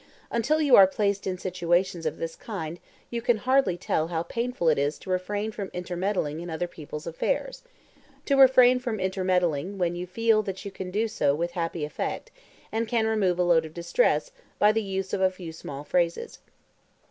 Until you are placed in situations of this kind you can hardly tell how painful it is to refrain from intermeddling in other people's affairs—to refrain from intermeddling when you feel that you can do so with happy effect, and can remove a load of distress by the use of a few small phrases.